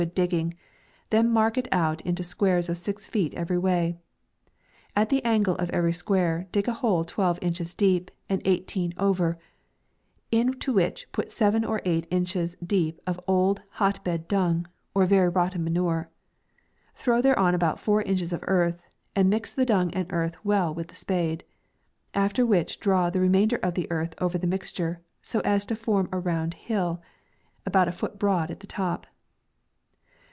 good digging ; then mark it out into squares of six feet every way ; at the angle of every square, dig a hole twelve inches deep, and eighteen over, into which put seven or tight inches deep of old hot bed dung, or very rot ten manure ; throw thereon about four inch es of earth, and mix the dung and earth well with the spade ; after which draw the remain der of the earth over the mixture, so as to form a round hill, about a toot broad at the top.